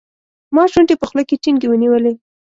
ما شونډې په خوله کې ټینګې ونیولې.